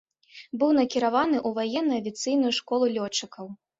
Быў накіраваны ў ваенную авіяцыйную школу лётчыкаў.